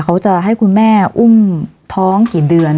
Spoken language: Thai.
เขาจะให้คุณแม่อุ้มท้องกี่เดือน